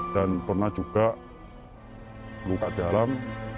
dan pernah juga luka dalam